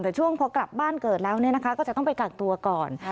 แต่ช่วงพอกลับบ้านเกิดแล้วก็จะต้องไปกักตัวก่อน